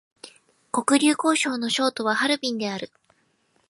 黒竜江省の省都はハルビンである